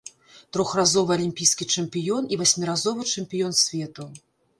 Трохразовы алімпійскі чэмпіён і васьміразовы чэмпіён свету.